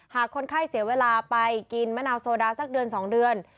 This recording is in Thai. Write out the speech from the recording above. คนไข้เสียเวลาไปกินมะนาวโซดาสักเดือน๒เดือน